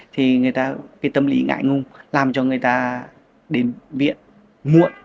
thì người ta cái tâm lý ngại ngung làm cho người ta đến viện muộn